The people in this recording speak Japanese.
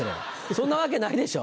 そんなわけないでしょ。